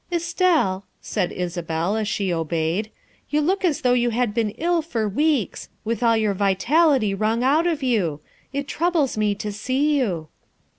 " Estelle," said Isabel as she obeyed, " you look as though you had been ill for weeks, with all your vitality wrung out of you. It troubles me to see you.